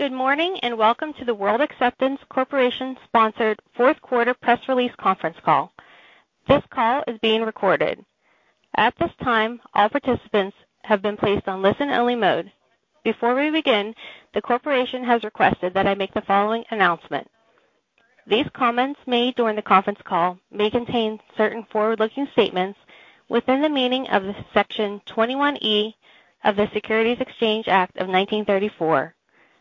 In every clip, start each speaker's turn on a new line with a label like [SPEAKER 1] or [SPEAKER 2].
[SPEAKER 1] Good morning, and welcome to the World Acceptance Corporation sponsored fourth quarter press release conference call. This call is being recorded. At this time, all participants have been placed on listen-only mode. Before we begin, the corporation has requested that I make the following announcement. These comments made during the conference call may contain certain forward-looking statements within the meaning of Section 21E of the Securities Exchange Act of 1934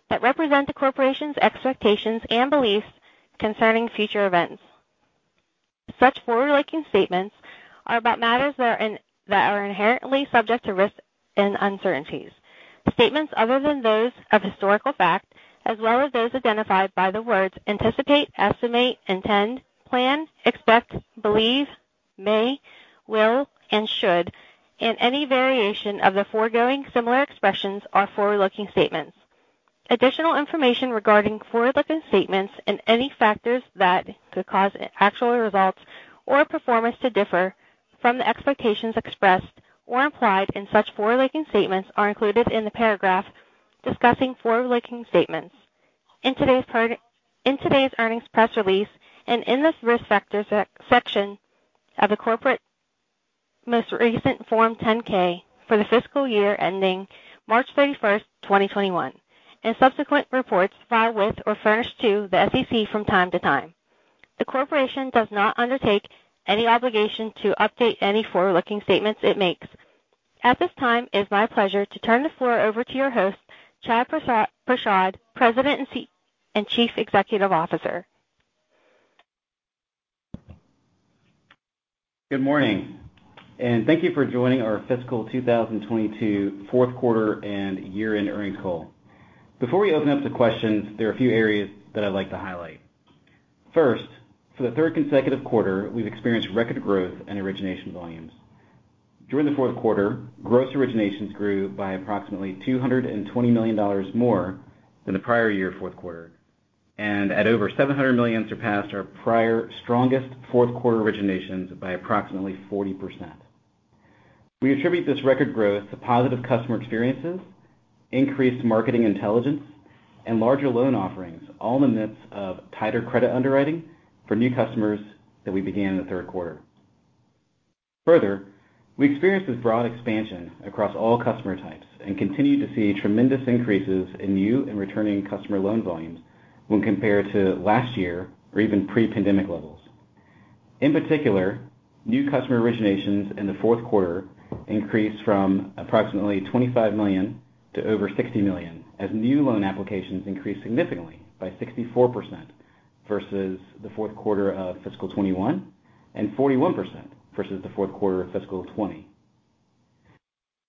[SPEAKER 1] that represent the corporation's expectations and beliefs concerning future events. Such forward-looking statements are about matters that are inherently subject to risks and uncertainties. Statements other than those of historical fact, as well as those identified by the words anticipate, estimate, intend, plan, expect, believe, may, will, and should, and any variation of the foregoing similar expressions are forward-looking statements. Additional information regarding forward-looking statements and any factors that could cause actual results or performance to differ from the expectations expressed or implied in such forward-looking statements are included in the paragraph discussing forward-looking statements. In today's earnings press release and in this risk factor section of the company's most recent Form 10-K for the fiscal year ending March 31, 2021, and subsequent reports filed with or furnished to the SEC from time to time. The corporation does not undertake any obligation to update any forward-looking statements it makes. At this time, it's my pleasure to turn the floor over to your host, Chad Prashad, President and Chief Executive Officer.
[SPEAKER 2] Good morning, and thank you for joining our fiscal 2022 fourth quarter and year-end earnings call. Before we open up to questions, there are a few areas that I'd like to highlight. First, for the third consecutive quarter, we've experienced record growth in origination volumes. During the fourth quarter, gross originations grew by approximately $220 million more than the prior year fourth quarter, and at over $700 million surpassed our prior strongest fourth quarter originations by approximately 40%. We attribute this record growth to positive customer experiences, increased marketing intelligence, and larger loan offerings, all in the midst of tighter credit underwriting for new customers that we began in the third quarter. Further, we experienced this broad expansion across all customer types and continue to see tremendous increases in new and returning customer loan volumes when compared to last year or even pre-pandemic levels. In particular, new customer originations in the fourth quarter increased from approximately $25 million to over $60 million as new loan applications increased significantly by 64% versus the fourth quarter of fiscal 2021 and 41% versus the fourth quarter of fiscal 2020.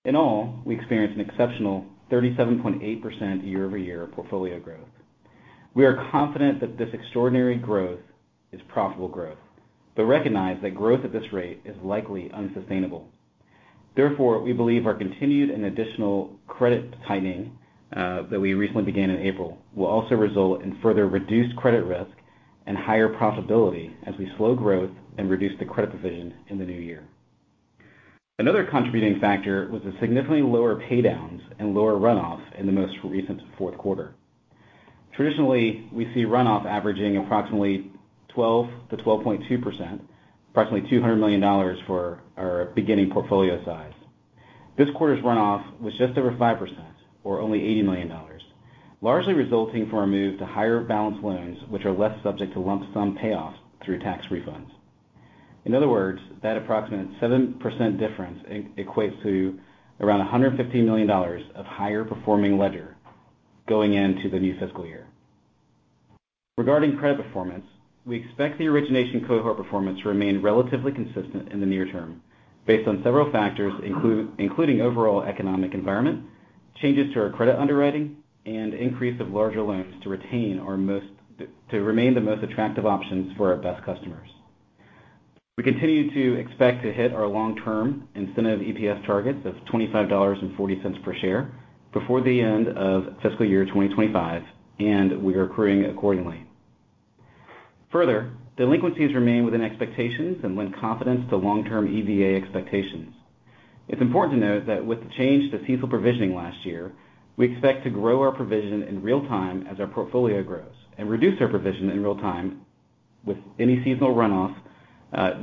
[SPEAKER 2] In all, we experienced an exceptional 37.8% year-over-year portfolio growth. We are confident that this extraordinary growth is profitable growth, but recognize that growth at this rate is likely unsustainable. Therefore, we believe our continued and additional credit tightening that we recently began in April will also result in further reduced credit risk and higher profitability as we slow growth and reduce the credit provision in the new year. Another contributing factor was the significantly lower pay downs and lower runoff in the most recent fourth quarter. Traditionally, we see runoff averaging approximately 12%-12.2%, approximately $200 million for our beginning portfolio size. This quarter's runoff was just over 5% or only $80 million, largely resulting from our move to higher balance loans, which are less subject to lump sum payoffs through tax refunds. In other words, that approximate 7% difference equates to around $150 million of higher performing ledger going into the new fiscal year. Regarding credit performance, we expect the origination cohort performance to remain relatively consistent in the near term based on several factors, including overall economic environment, changes to our credit underwriting, and increase of larger loans to remain the most attractive options for our best customers. We continue to expect to hit our long-term incentive EPS targets of $25.40 per share before the end of fiscal year 2025, and we are accruing accordingly. Further delinquencies remain within expectations and lend confidence to long-term EVA expectations. It's important to note that with the change to CECL provisioning last year, we expect to grow our provision in real time as our portfolio grows and reduce our provision in real time with any seasonal runoff,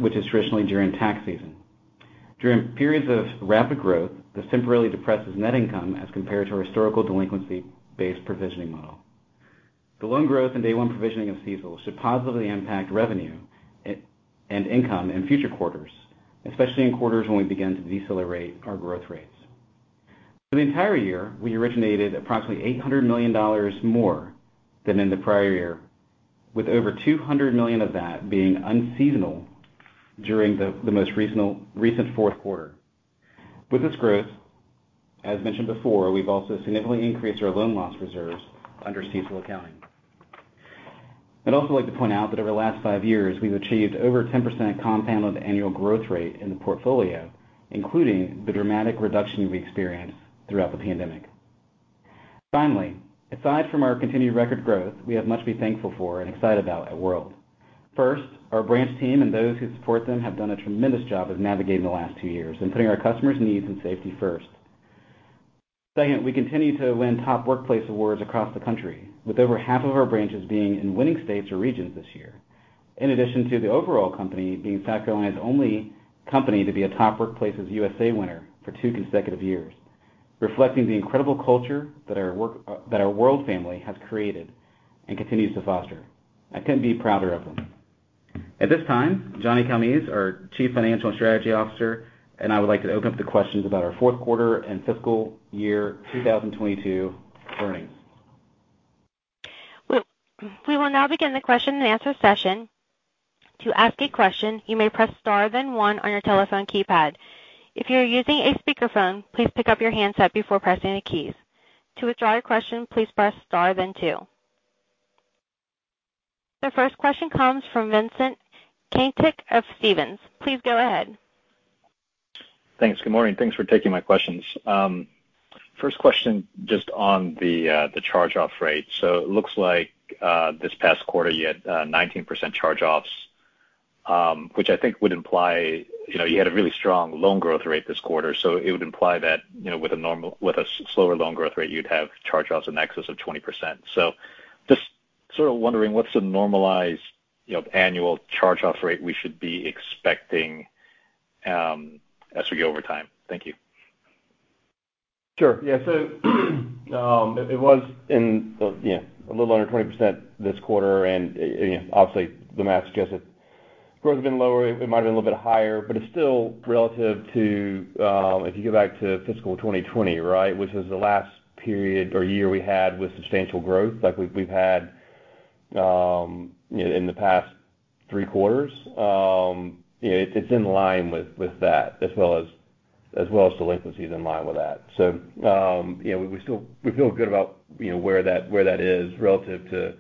[SPEAKER 2] which is traditionally during tax season. During periods of rapid growth, this temporarily depresses net income as compared to our historical delinquency-based provisioning model. The loan growth and day one provisioning of CECL should positively impact revenue and income in future quarters, especially in quarters when we begin to decelerate our growth rates. For the entire year, we originated approximately $800 million more than in the prior year, with over $200 million of that being unseasonal during the most recent fourth quarter. With this growth, as mentioned before, we've also significantly increased our loan loss reserves under CECL accounting. I'd also like to point out that over the last five years, we've achieved over 10% compounded annual growth rate in the portfolio, including the dramatic reduction we experienced throughout the pandemic. Finally, aside from our continued record growth, we have much to be thankful for and excited about at World. First, our branch team and those who support them have done a tremendous job of navigating the last two years and putting our customers' needs and safety first. Second, we continue to win top workplace awards across the country, with over half of our branches being in winning states or regions this year. In addition to the overall company being Sacco and the only company to be a Top Workplaces USA winner for two consecutive years, reflecting the incredible culture that our World family has created and continues to foster. I couldn't be prouder of them. At this time, John Calmes, our Chief Financial Strategy Officer, and I would like to open up the questions about our fourth quarter and fiscal year 2022 earnings.
[SPEAKER 1] We will now begin the question and answer session. To ask a question, you may press star, then one on your telephone keypad. If you're using a speakerphone, please pick up your handset before pressing the keys. To withdraw your question, please press star then two. The first question comes from Vincent Caintic of Stephens. Please go ahead.
[SPEAKER 3] Thanks. Good morning. Thanks for taking my questions. First question just on the charge-off rate. It looks like this past quarter you had 19% charge-offs, which I think would imply, you know, you had a really strong loan growth rate this quarter. It would imply that, you know, with a slower loan growth rate, you'd have charge-offs in excess of 20%. Just sort of wondering what's the normalized, you know, annual charge-off rate we should be expecting as we go over time? Thank you.
[SPEAKER 4] Sure. Yeah. It was a little under 20% this quarter. You know, obviously the math suggests if growth had been lower, it might have been a little bit higher. It's still relative to if you go back to fiscal 2020, right? Which is the last period or year we had with substantial growth, like we've had in the past three quarters. You know, it's in line with that as well as delinquencies in line with that. You know, we still feel good about where that is relative to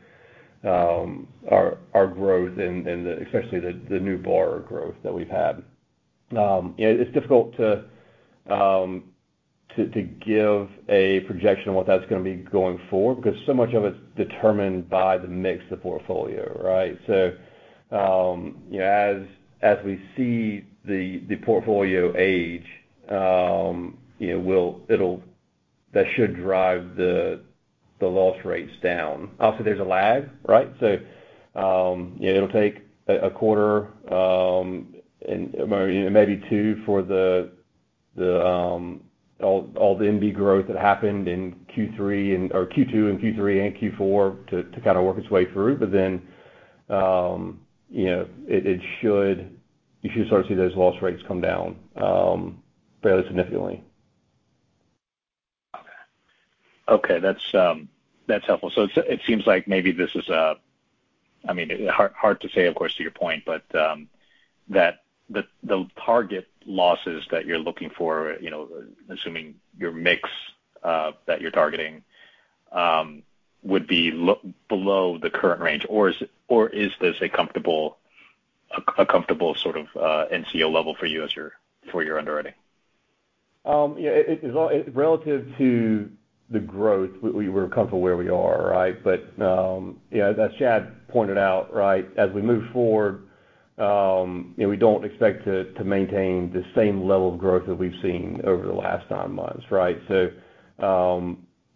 [SPEAKER 4] our growth and the especially the new borrower growth that we've had. You know, it's difficult to give a projection on what that's gonna be going forward because so much of it is determined by the mix of the portfolio, right? You know, as we see the portfolio age, you know, that should drive the loss rates down. Also, there's a lag, right? You know, it'll take a quarter, and maybe, you know, maybe two for all the NB growth that happened in Q3 or Q2 and Q3 and Q4 to kind of work its way through. You know, you should start to see those loss rates come down fairly significantly.
[SPEAKER 3] Okay. That's helpful. It seems like maybe this is, I mean, hard to say, of course, to your point, but the target losses that you're looking for, you know, assuming your mix that you're targeting, would be below the current range. Is this a comfortable sort of NCO level for your underwriting?
[SPEAKER 4] Yeah, it is. Relative to the growth, we're comfortable where we are, right? You know, as Chad pointed out, right, as we move forward, you know, we don't expect to maintain the same level of growth that we've seen over the last nine months, right?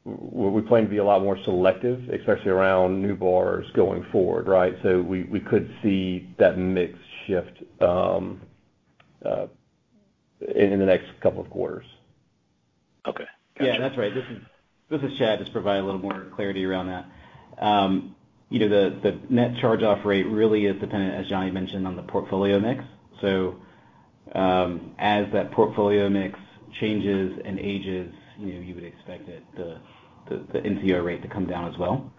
[SPEAKER 4] We plan to be a lot more selective, especially around new borrowers going forward, right? We could see that mix shift in the next couple of quarters.
[SPEAKER 3] Okay. Gotcha.
[SPEAKER 2] Yeah. That's right. This is Chad. Just provide a little more clarity around that. You know, the net charge-off rate really is dependent, as Johnny mentioned, on the portfolio mix. As that portfolio mix changes and ages, you know, you would expect the NCO rate to come down as well.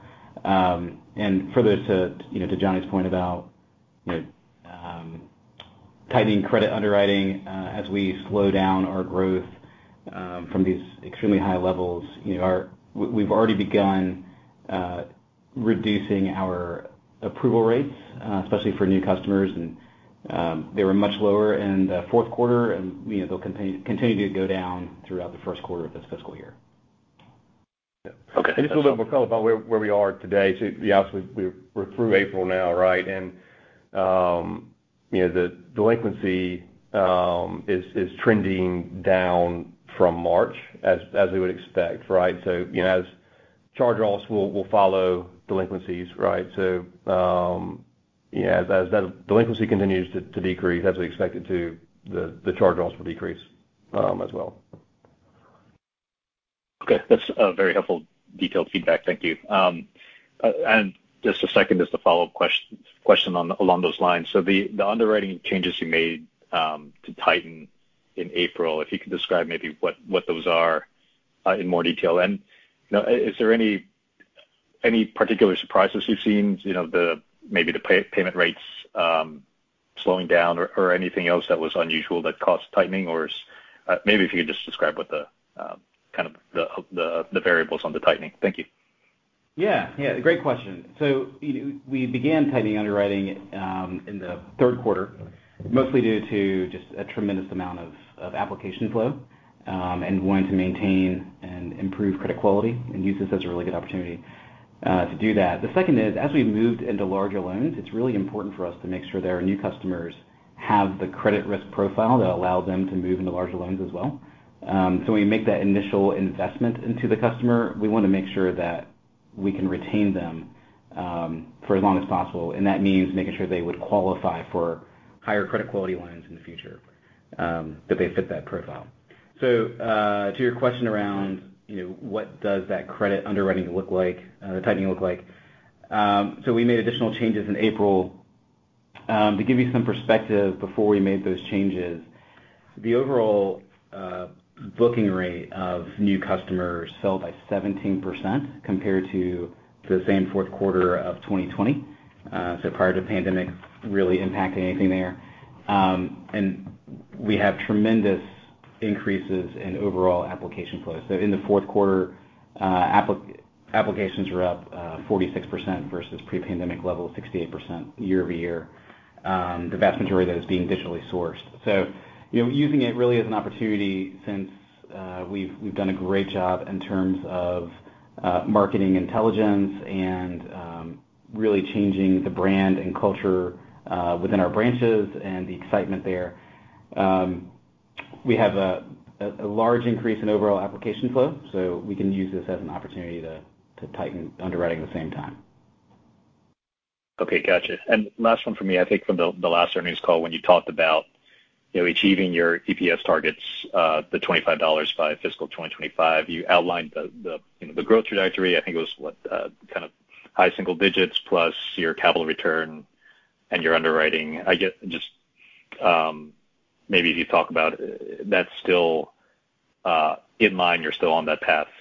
[SPEAKER 2] Further to Johnny's point about tightening credit underwriting, as we slow down our growth from these extremely high levels, you know, we've already begun reducing our approval rates, especially for new customers. They were much lower in the fourth quarter, and you know, they'll continue to go down throughout the first quarter of this fiscal year.
[SPEAKER 3] Okay.
[SPEAKER 4] Just a little bit more color about where we are today. Yeah, obviously we're through April now, right? You know, the delinquency is trending down from March as we would expect, right? You know, as charge-offs will follow delinquencies, right? Yeah, as that delinquency continues to decrease, as we expect it to, the charge-offs will decrease as well.
[SPEAKER 3] Okay. That's a very helpful detailed feedback. Thank you, and just a second, just a follow-up question along those lines. So the underwriting changes you made to tighten in April, if you could describe maybe what those are in more detail. You know, is there any particular surprises you've seen, you know, maybe the payment rates slowing down or anything else that was unusual that caused tightening? Or maybe if you could just describe what the kind of variables on the tightening. Thank you.
[SPEAKER 2] Yeah. Yeah, great question. You know, we began tightening underwriting in the third quarter, mostly due to just a tremendous amount of application flow. Wanting to maintain and improve credit quality and use this as a really good opportunity to do that. The second is, as we've moved into larger loans, it's really important for us to make sure that our new customers have the credit risk profile that allows them to move into larger loans as well. When we make that initial investment into the customer, we wanna make sure that we can retain them for as long as possible. That means making sure they would qualify for higher credit quality loans in the future, that they fit that profile. To your question around, you know, what does that credit underwriting look like, the timing look like? We made additional changes in April. To give you some perspective, before we made those changes, the overall booking rate of new customers fell by 17% compared to the same fourth quarter of 2020. Prior to pandemic really impacting anything there. We have tremendous increases in overall application flow. In the fourth quarter, applications were up 46% versus pre-pandemic level of 68% year-over-year. The vast majority of that is being digitally sourced. You know, using it really as an opportunity since we've done a great job in terms of marketing intelligence and really changing the brand and culture within our branches and the excitement there. We have a large increase in overall application flow, so we can use this as an opportunity to tighten underwriting at the same time.
[SPEAKER 3] Okay. Gotcha. Last one from me. I think from the last earnings call when you talked about, you know, achieving your EPS targets, the $25 by fiscal 2025, you outlined the, you know, the growth trajectory. I think it was kind of high single digits plus your capital return and your underwriting. I guess just maybe if you talk about that’s still in mind, you’re still on that path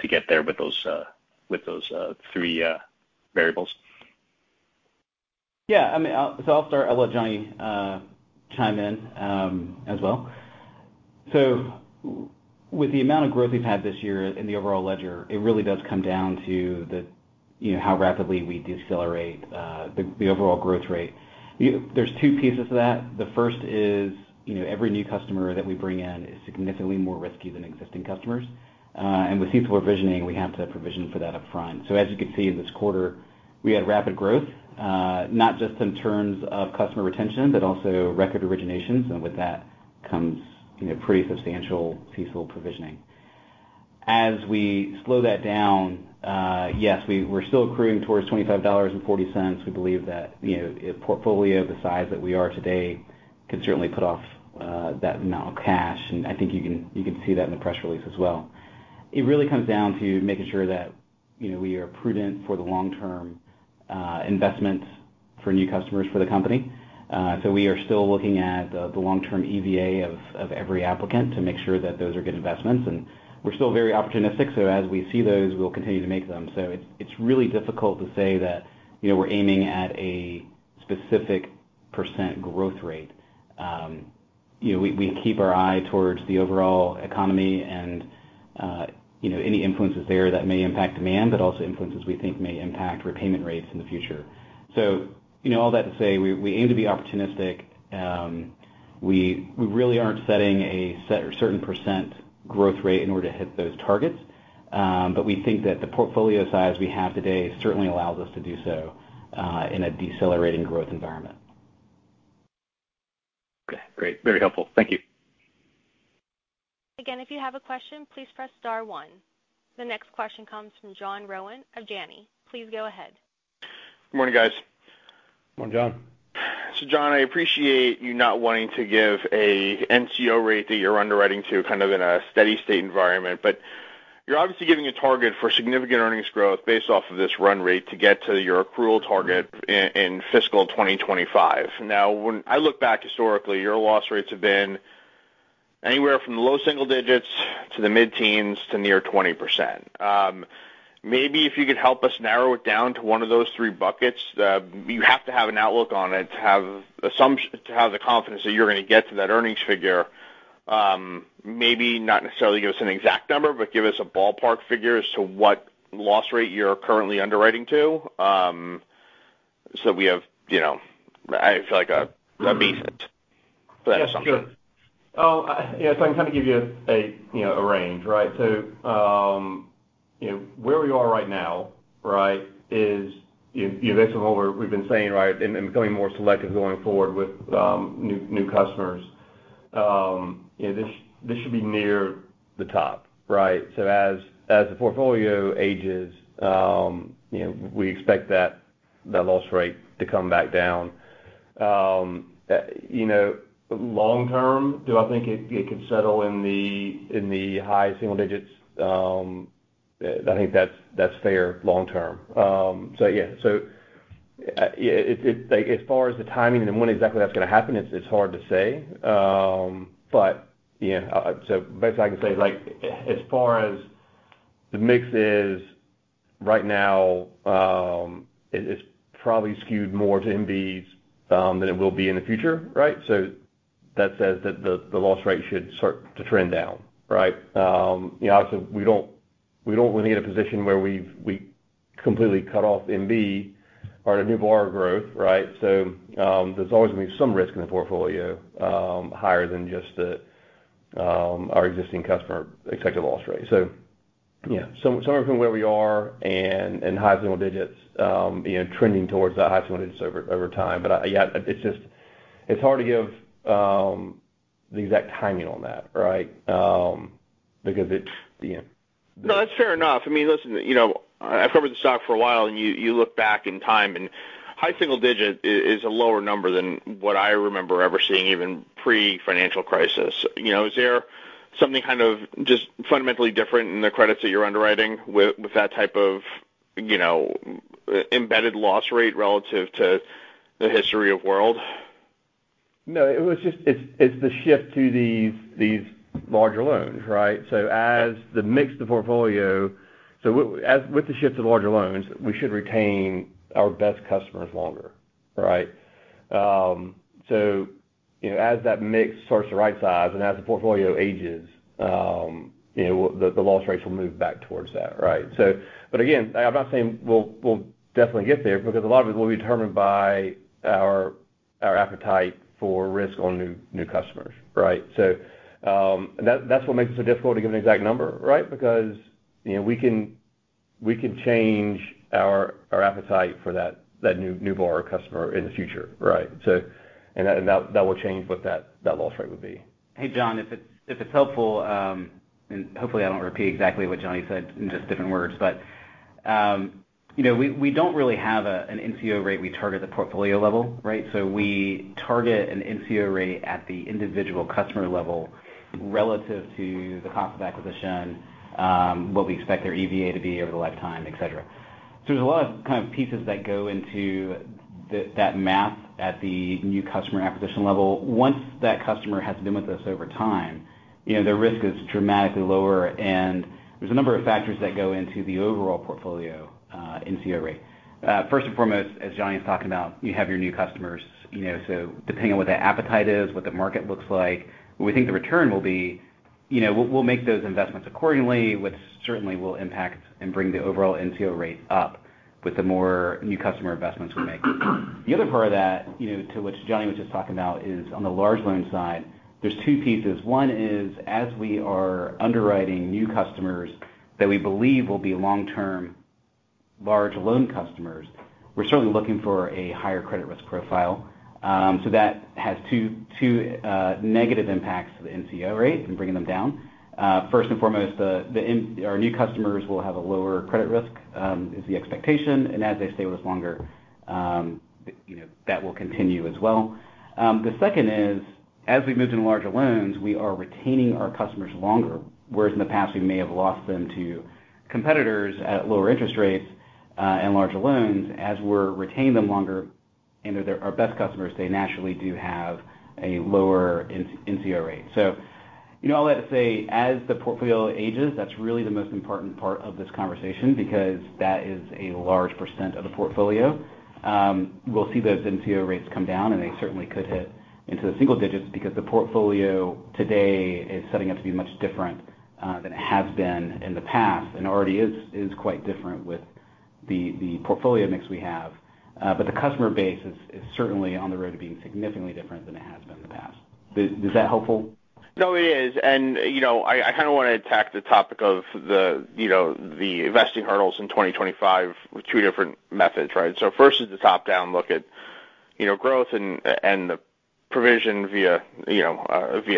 [SPEAKER 3] to get there with those three variables.
[SPEAKER 2] Yeah, I mean, I'll start. I'll let Johnny chime in as well. With the amount of growth we've had this year in the overall ledger, it really does come down to the, you know, how rapidly we decelerate the overall growth rate. There's two pieces to that. The first is, you know, every new customer that we bring in is significantly more risky than existing customers, and with fees for provisioning, we have to provision for that up front. As you can see, this quarter, we had rapid growth, not just in terms of customer retention, but also record originations, and with that comes, you know, pretty substantial fees for provisioning. As we slow that down, yes, we're still accruing towards $25.40. We believe that, you know, a portfolio the size that we are today can certainly put out that amount of cash. I think you can see that in the press release as well. It really comes down to making sure that, you know, we are prudent for the long-term investments for new customers for the company. We are still looking at the long-term EVA of every applicant to make sure that those are good investments. We're still very opportunistic, so as we see those, we'll continue to make them. It's really difficult to say that, you know, we're aiming at a specific % growth rate. You know, we keep our eye towards the overall economy and, you know, any influences there that may impact demand, but also influences we think may impact repayment rates in the future. You know, all that to say, we aim to be opportunistic. We really aren't setting a certain % growth rate in order to hit those targets. We think that the portfolio size we have today certainly allows us to do so, in a decelerating growth environment.
[SPEAKER 3] Okay, great. Very helpful. Thank you.
[SPEAKER 1] Again, if you have a question, please press star one. The next question comes from John Rowan of Janney. Please go ahead.
[SPEAKER 5] Good morning, guys.
[SPEAKER 4] Morning, John.
[SPEAKER 5] John, I appreciate you not wanting to give a NCO rate that you're underwriting to kind of in a steady state environment, but you're obviously giving a target for significant earnings growth based off of this run rate to get to your accrual target in fiscal 2025. Now, when I look back historically, your loss rates have been anywhere from the low single digits to the mid-teens to near 20%. Maybe if you could help us narrow it down to one of those three buckets. You have to have an outlook on it to have the confidence that you're gonna get to that earnings figure. Maybe not necessarily give us an exact number, but give us a ballpark figure as to what loss rate you're currently underwriting to, so we have, you know, I feel like a basis for that assumption.
[SPEAKER 4] Yeah, sure. Yeah, I can kind of give you a, you know, a range, right? You know, where we are right now, right, is, you know, based on what we've been saying, right, and becoming more selective going forward with new customers. You know, this should be near the top, right? As the portfolio ages, you know, we expect that loss rate to come back down. You know, long term, do I think it could settle in the high single digits? I think that's fair long term. Yeah, like as far as the timing and when exactly that's gonna happen, it's hard to say. Best I can say, like, as far as the mix is right now, it is probably skewed more to NBs than it will be in the future, right? That says that the loss rate should start to trend down, right? You know, obviously, we don't wanna get in a position where we completely cut off NB or a new borrower growth, right? There's always gonna be some risk in the portfolio, higher than just our existing customer expected loss rate. Yeah, somewhere from where we are and in high single digits, trending towards that high single digits over time. Yeah, it's just hard to give the exact timing on that, right? Because it's, you know.
[SPEAKER 5] No, that's fair enough. I mean, listen, you know, I've covered the stock for a while, and you look back in time, and high single digit is a lower number than what I remember ever seeing even pre-financial crisis. You know, is there something kind of just fundamentally different in the credits that you're underwriting with that type of, you know, embedded loss rate relative to the history of world?
[SPEAKER 4] No, it was just it's the shift to these larger loans, right? As the mix of the portfolio, with the shift to larger loans, we should retain our best customers longer, right? You know, as that mix starts to right size and as the portfolio ages, you know, the loss rates will move back towards that, right? But again, I'm not saying we'll definitely get there because a lot of it will be determined by our appetite for risk on new customers, right? That's what makes it so difficult to give an exact number, right? Because, you know, we can change our appetite for that new borrower customer in the future, right? And that will change what that loss rate would be.
[SPEAKER 2] Hey, John, if it's helpful, and hopefully, I don't repeat exactly what Johnny said in just different words, but you know, we don't really have an NCO rate. We target the portfolio level, right? We target an NCO rate at the individual customer level relative to the cost of acquisition, what we expect their EVA to be over the lifetime, et cetera. There's a lot of kind of pieces that go into that math at the new customer acquisition level. Once that customer has been with us over time, you know, their risk is dramatically lower, and there's a number of factors that go into the overall portfolio NCO rate. First and foremost, as Johnny's talking about, you have your new customers, you know. Depending on what their appetite is, what the market looks like, what we think the return will be, you know, we'll make those investments accordingly, which certainly will impact and bring the overall NCO rate up with the more new customer investments we make. The other part of that, you know, to which Johnny was just talking about, is on the large loan side. There's two pieces. One is, as we are underwriting new customers that we believe will be long-term large loan customers, we're certainly looking for a higher credit risk profile. That has two negative impacts to the NCO rate and bringing them down. First and foremost, our new customers will have a lower credit risk is the expectation. As they stay with us longer, you know, that will continue as well. The second is, as we've moved into larger loans, we are retaining our customers longer, whereas in the past, we may have lost them to competitors at lower interest rates, and larger loans. As we retain them longer and they're our best customers, they naturally do have a lower NCO rate. You know, I'll let it say, as the portfolio ages, that's really the most important part of this conversation because that is a large percent of the portfolio. We'll see those NCO rates come down, and they certainly could hit into the single digits because the portfolio today is setting up to be much different than it has been in the past, and already is quite different with the portfolio mix we have. The customer base is certainly on the road to being significantly different than it has been in the past. Is that helpful?
[SPEAKER 5] No, it is. You know, I kind of wanna attack the topic of the investing hurdles in 2025 with two different methods, right? First is the top-down look at growth and the provision via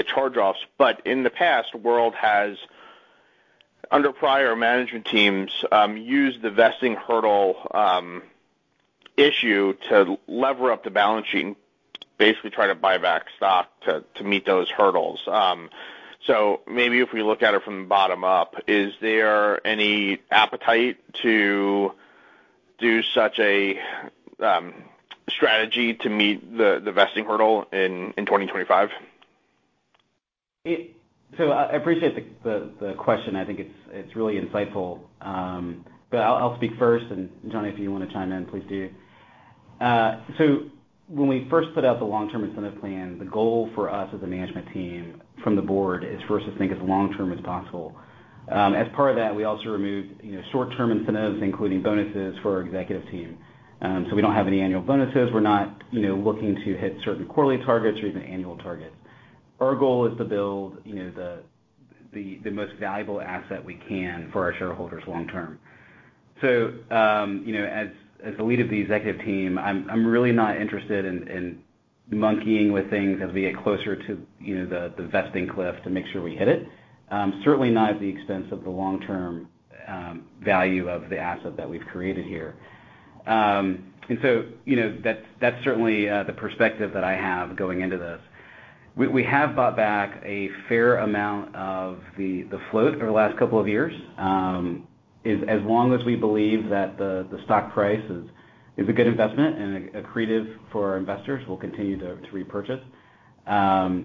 [SPEAKER 5] charge-offs. In the past, World has, under prior management teams, used the vesting hurdle issue to lever up the balance sheet and basically try to buy back stock to meet those hurdles. Maybe if we look at it from the bottom up, is there any appetite to do such a strategy to meet the vesting hurdle in 2025?
[SPEAKER 2] I appreciate the question. I think it's really insightful. I'll speak first, and Johnny, if you wanna chime in, please do. When we first put out the long-term incentive plan, the goal for us as a management team from the board is for us to think as long-term as possible. As part of that, we also removed, you know, short-term incentives, including bonuses for our executive team. We don't have any annual bonuses. We're not, you know, looking to hit certain quarterly targets or even annual targets. Our goal is to build, you know, the most valuable asset we can for our shareholders long term. You know, as the lead of the executive team, I'm really not interested in monkeying with things as we get closer to, you know, the vesting cliff to make sure we hit it. Certainly not at the expense of the long-term value of the asset that we've created here, and so, you know, that's certainly the perspective that I have going into this. We have bought back a fair amount of the float over the last couple of years. As long as we believe that the stock price is a good investment and accretive for our investors, we'll continue to repurchase. You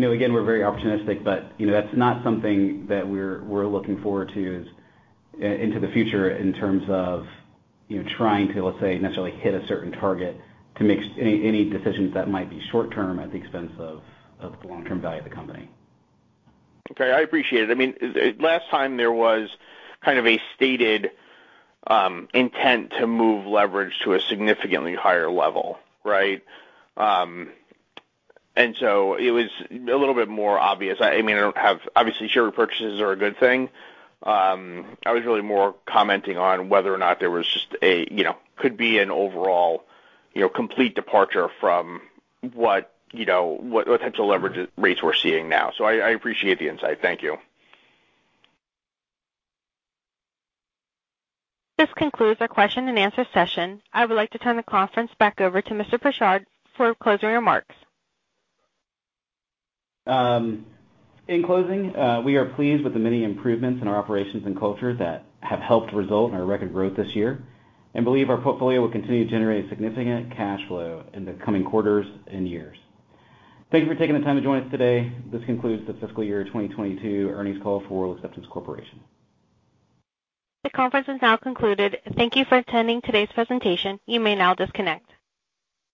[SPEAKER 2] know, again, we're very opportunistic, but you know, that's not something that we're looking forward to into the future in terms of, you know, trying to, let's say, necessarily hit a certain target to make any decisions that might be short term at the expense of the long-term value of the company.
[SPEAKER 5] Okay. I appreciate it. I mean, last time there was kind of a stated intent to move leverage to a significantly higher level, right? It was a little bit more obvious. I mean, obviously, share repurchases are a good thing. I was really more commenting on whether or not there was just a, you know, could be an overall, you know, complete departure from what, you know, what types of leverage rates we're seeing now. I appreciate the insight. Thank you.
[SPEAKER 1] This concludes our question and answer session. I would like to turn the conference back over to Mr. Prashad for closing remarks.
[SPEAKER 2] In closing, we are pleased with the many improvements in our operations and culture that have helped result in our record growth this year and believe our portfolio will continue to generate significant cash flow in the coming quarters and years. Thank you for taking the time to join us today. This concludes the fiscal year 2022 earnings call for World Acceptance Corporation.
[SPEAKER 1] The conference is now concluded. Thank you for attending today's presentation. You may now disconnect.